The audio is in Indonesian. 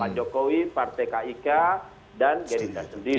pak jokowi partai kik dan gerindra sendiri